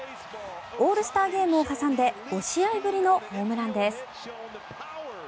オールスターゲームを挟んで５試合ぶりのホームランです。